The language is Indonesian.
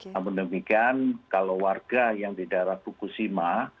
namun demikian kalau warga yang di daerah bukusima